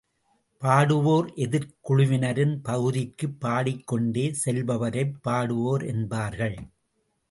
பாடுவோர் எதிர்க் குழுவினரின் பகுதிக்குப் பாடிக்கொண்டே செல்பவரை பாடுவோர் என்பார்கள்.